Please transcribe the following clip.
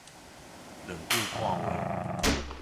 兩句半話